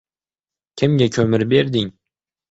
— Kimga ko‘mir berding?